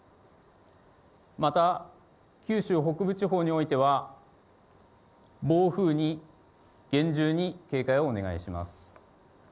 また九州北部地方においては、暴風に厳重に警戒をお願いします。